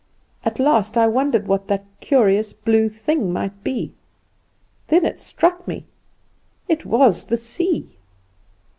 At last I wondered what that curious blue thing might be; then it struck me it was the sea!